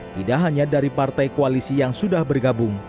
tidak hanya dari partai koalisi yang sudah bergabung